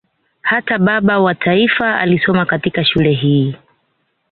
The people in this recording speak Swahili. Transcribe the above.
Hata baba wa taifa alisoma katika shule hii